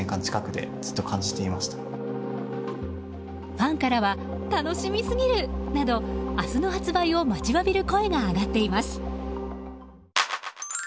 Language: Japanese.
ファンからは楽しみすぎるなど、明日の発売を待ちわびる声が上がっています。